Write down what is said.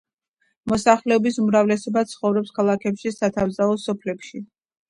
მოსახლეობის უმრავლესობა ცხოვრობს ქალაქებში და სათევზაო სოფლებში.